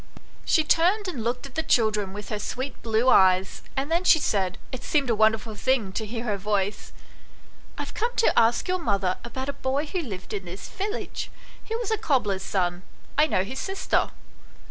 She turned and looked at the x.] THE BEAUTIFUL LADY. 97 children with her sweet blue eyes, and then she said it seemed a wonderful thing to hear her voice " I have come to ask your mother about a boy who lived in this village. He was a cobbler's son ; I know his sister."